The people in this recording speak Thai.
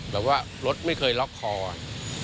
แต่ว่ารถไม่เคยล็อคคออ่ะ